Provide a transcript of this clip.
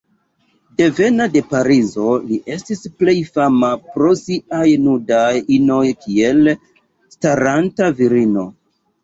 Devena de Parizo, li estis plej fama pro siaj nudaj inoj kiel "Staranta Virino".